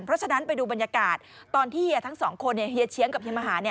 เพราะฉะนั้นไปดูบรรยากาศตอนที่เฮียทั้งสองคนเฮียเชียงกับเฮียมหา